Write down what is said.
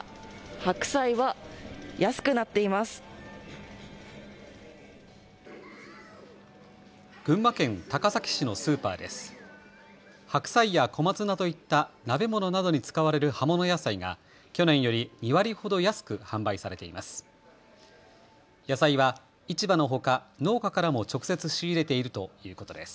白菜や小松菜といった鍋物などに使われる葉物野菜が去年より２割ほど安く販売されています。